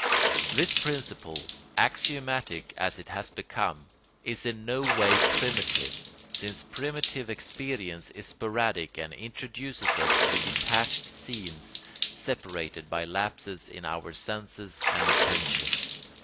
This principle, axiomatic as it has become, is in no way primitive, since primitive experience is sporadic and introduces us to detached scenes separated by lapses in our senses and attention.